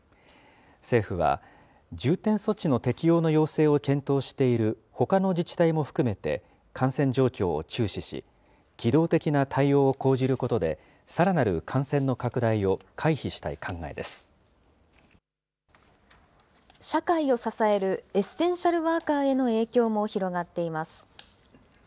政府は重点措置の適用の要請を検討しているほかの自治体も含めて、感染状況を注視し、機動的な対応を講じることで、さらなる感染の社会を支えるエッセンシャルワーカーへの影響も広がっています。